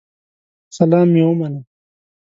سلام مي ومنه